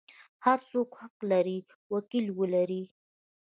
هر څوک حق لري وکیل ولري.